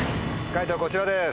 解答こちらです。